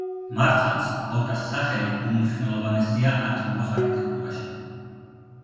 მართლაც, ორტას სახელი უმნიშვნელოვანესია არტ-ნუვოს არქიტექტურაში.